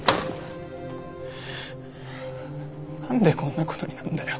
なんでこんな事になるんだよ。